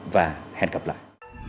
và hẹn gặp lại